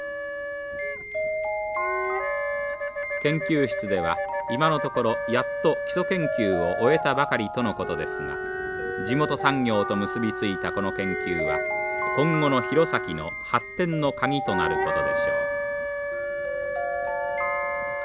研究室では今のところやっと基礎研究を終えたばかりとのことですが地元産業と結び付いたこの研究は今後の弘前の発展のカギとなることでしょう。